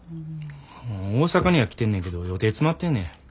大阪には来てんねんけど予定詰まってんねん。